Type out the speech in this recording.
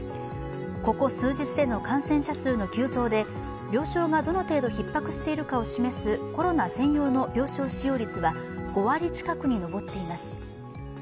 ここ数日での感染者数の急増で病床がどの程度ひっ迫しているかを示すコロナ専用の病床使用率は５割近くに上っています。